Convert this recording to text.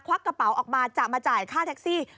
วักกระเป๋าออกมาจะมาจ่ายค่าแท็กซี่